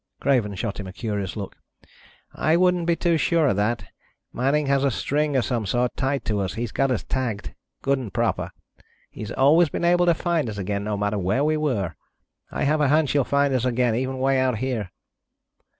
Craven shot him a curious look. "I wouldn't be too sure of that. Manning has a string of some sort tied to us. He's got us tagged ... good and proper. He's always been able to find us again, no matter where we were. I have a hunch he'll find us again, even way out here."